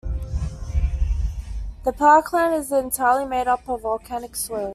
The parkland is entirely made up of volcanic soil.